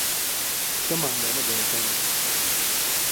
今晚有乜嘢餸?